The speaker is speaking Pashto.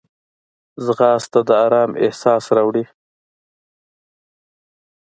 ځغاسته د آرام احساس راوړي